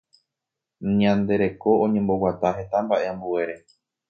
Ñande reko oñemboguata heta mbaʼe ambuére.